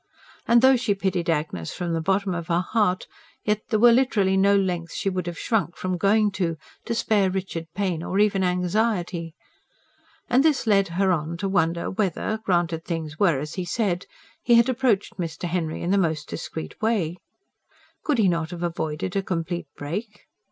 And though she pitied Agnes from the bottom of her heart, yet there were literally no lengths she would have shrunk from going to, to spare Richard pain or even anxiety. And this led her on to wonder whether, granted things were as he said, he had approached Mr. Henry in the most discreet way. Could he not have avoided a complete break?